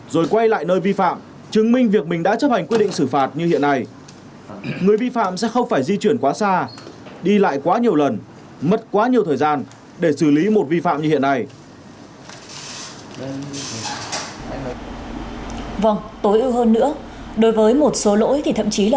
rồi quay lại nơi vi phạm chứng minh việc mình đã chấp hành quyết định xử phạt như hiện nay